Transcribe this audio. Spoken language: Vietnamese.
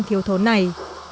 thiếu thốn này